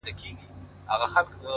ستا شاعري گرانه ستا اوښکو وړې؛